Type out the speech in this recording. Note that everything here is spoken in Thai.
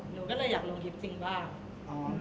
หนูก็เลยอยากลงคลิปจริงบ้าง